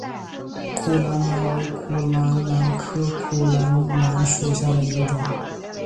苦槛蓝为苦槛蓝科苦槛蓝属下的一个种。